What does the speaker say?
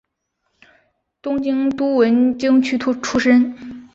东京都文京区出身。